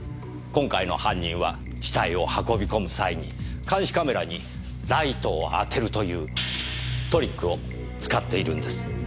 今回の犯人は死体を運び込む際に監視カメラにライトを当てるというトリックを使っているんです。